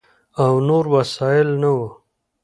او نور وسایل نه ؤ،